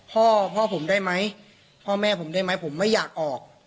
พ่อพ่อผมได้ไหมพ่อแม่ผมได้ไหมผมไม่อยากออก